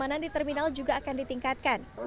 dan keamanan di terminal juga akan ditingkatkan